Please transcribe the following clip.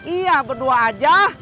iya berdua aja